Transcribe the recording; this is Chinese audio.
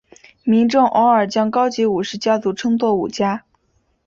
民众偶尔将高级武士家族称作武家。